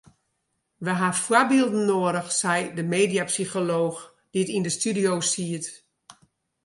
We ha foarbylden noadich sei de mediapsycholooch dy't yn de studio siet.